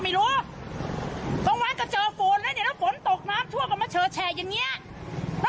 มันใช่เลยมันใช่เหรอ